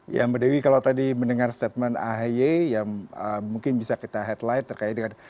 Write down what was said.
ya mbak dewi kalau tadi mendengar statement ahy yang mungkin bisa kita headline terkait dengan